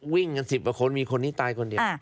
วิ่งกัน๑๐ประควรมีคนที่ตายคนเดียว